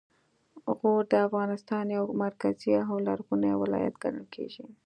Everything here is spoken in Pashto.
غور د افغانستان یو مرکزي او لرغونی ولایت ګڼل کیږي